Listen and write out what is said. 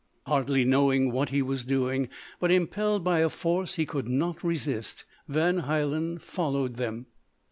Hardly knowing what he was doing, but impelled by a force he could not resist, Van Hielen followed them.